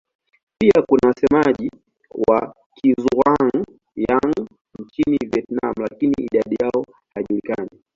Pia kuna wasemaji wa Kizhuang-Yang nchini Vietnam lakini idadi yao haijulikani.